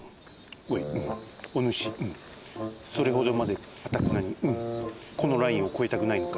おいおぬしそれほどまでかたくなにこのラインをこえたくないのか？